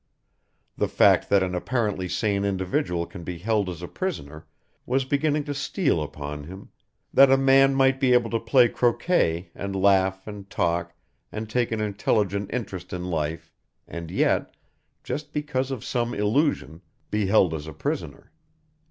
The fact that an apparently sane individual can be held as a prisoner was beginning to steal upon him, that a man might be able to play croquet and laugh and talk and take an intelligent interest in life and yet, just because of some illusion, be held as a prisoner.